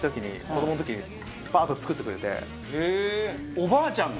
おばあちゃんが？